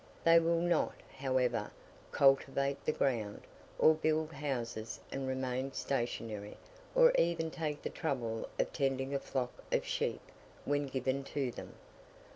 They will not, however, cultivate the ground, or build houses and remain stationary, or even take the trouble of tending a flock of sheep when given to them.